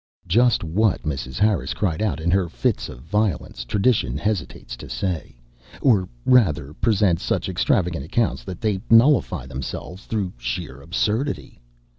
Just what Mrs. Harris cried out in her fits of violence, tradition hesitates to say; or rather, presents such extravagant accounts that they nullify themselves through sheer absurdity.